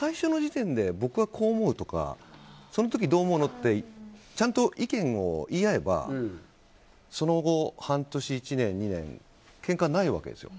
僕はこう思うとかその時どう思うの？ってちゃんと意見を言い合えばその後、半年、１年、２年けんか、ないわけですよ。